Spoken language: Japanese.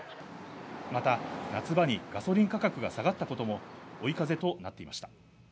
また夏場にガソリン価格が下がったことも追い風となっていました。